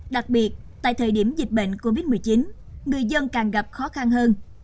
đặc biệt tại thời điểm dịch bệnh covid một mươi chín người dân càng gặp khó khăn hơn